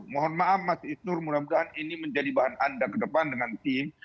mohon maaf mas isnur mudah mudahan ini menjadi bahan anda ke depan dengan tim